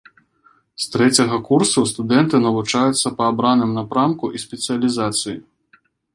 З трэцяга курсу студэнты навучаюцца па абраным напрамку і спецыялізацыі.